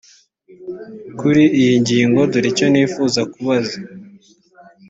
kuri iyi ngingo dore icyo nifuza kubaza